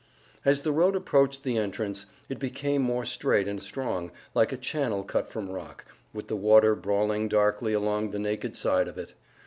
As the road approached the entrance, it became more straight and strong, like a channel cut from rock, with the water brawling darkly along the naked side of it.